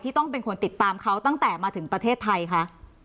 ต้องเป็นคนติดตามเขาตั้งแต่มาถึงประเทศไทยคะ